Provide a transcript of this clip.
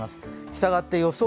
したがって予想